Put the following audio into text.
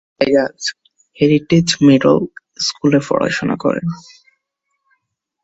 Cyrus Heritage Middle স্কুলে পড়াশোনা করেন।